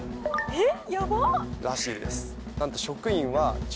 えっ！